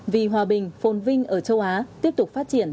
vì hòa bình phồn vinh ở châu á tiếp tục phát triển